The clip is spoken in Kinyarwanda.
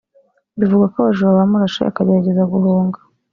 Bivugwa ko abajura bamurashe akagerageza guhunga